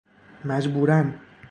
مجبوراً